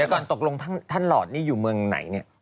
แต่ก่อนตกลงท่านหลอดนี่อยู่เมืองไหนเนี่ย